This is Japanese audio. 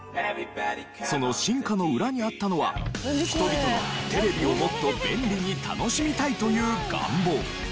その進化の裏にあったのは人々のテレビをもっと便利に楽しみたいという願望。